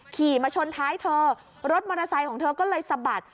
ขี่มาชนท้ายเธอรถมอเตอร์ไซค์ของเธอก็เลยสะบัด